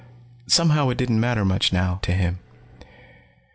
Somehow, it didn't matter much now, to him.